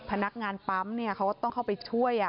พนักงานปั๊มเนี่ยเขาก็ต้องเข้าไปช่วยอ่ะ